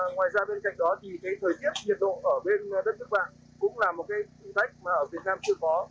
ngoài ra bên cạnh đó thì cái thời tiết nhiệt độ ở bên đất nước bạn cũng là một cái thử thách mà ở việt nam chưa có